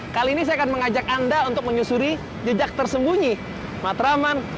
kali ini saya akan mengajak anda untuk menyusuri jejak tersembunyi matraman